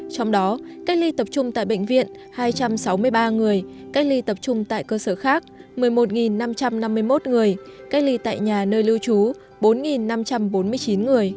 trong đó cách ly tập trung tại bệnh viện hai trăm sáu mươi ba người cách ly tập trung tại cơ sở khác một mươi một năm trăm năm mươi một người cách ly tại nhà nơi lưu trú bốn năm trăm bốn mươi chín người